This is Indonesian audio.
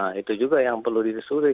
nah itu juga yang perlu ditelusuri